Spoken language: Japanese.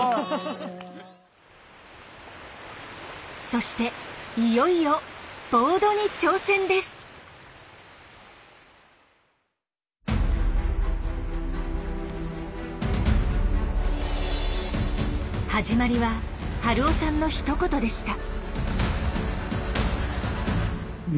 そしていよいよ始まりは春雄さんのひと言でした。